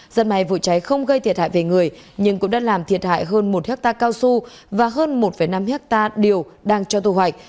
dân may vụ cháy không gây thiệt hại về người nhưng cũng đã làm thiệt hại hơn một hectare cao su và hơn một năm hectare điều đang cho thu hoạch